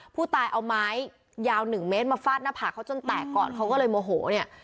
ผู้ตายเอาไม้ยาวหนึ่งเมตรมาฟาดหน้าผากเขาจนแตกก่อนเขาก็เลยโมโหเนี่ย